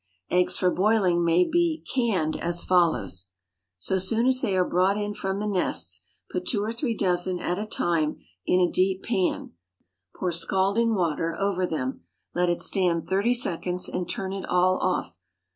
Eggs for boiling may be "canned" as follows: So soon as they are brought in from the nests, put two or three dozen at a time in a deep pan; pour scalding water over them; let it stand thirty seconds, and turn it all off.